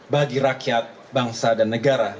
bagi rakyat bangsa dan negara